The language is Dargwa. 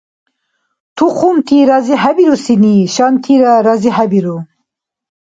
Тухумти разихӀебирусини шантира разихӀебиру.